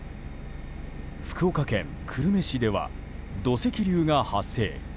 福岡県久留米市では土石流が発生。